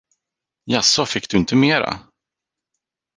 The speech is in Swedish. Jaså, fick du inte mera?